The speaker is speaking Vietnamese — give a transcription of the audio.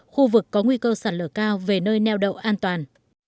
khu vực có nguy cơ sạt lở cao về nơi neo đậu an toàn